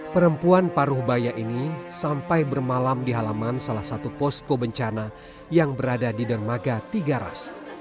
perempuan paruh bayak ini sampai bermalam di halaman salah satu posko bencana yang berada di dermaga tiga ras